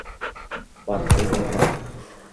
বাদ দে লরা।